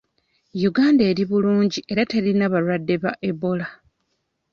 Uganda eri bulungi era terina balwadde ba Ebola